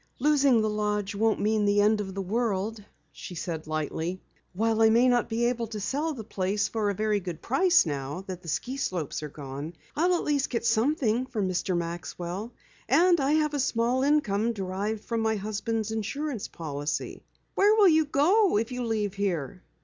"Losing the lodge won't mean the end of the world," she said lightly. "While I may not be able to sell the place for a very good price now that the ski slopes are gone, I'll at least get something from Mr. Maxwell. And I have a small income derived from my husband's insurance policy." "Where will you go if you leave here?"